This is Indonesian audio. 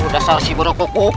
sudah salah si bro kukuk